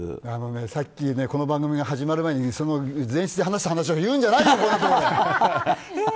さっきこの番組が始まる前に前室で話した話を言うんじゃないよ！